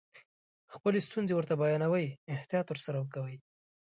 خپلې ستونزې ورته بیانوئ احتیاط ورسره کوئ.